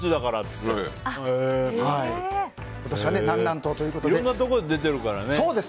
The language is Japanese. いろいろなところで出てるからね。